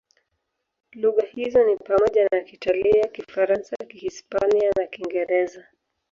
Lugha hizo ni pamoja na Kiitalia, Kifaransa, Kihispania na Kiingereza.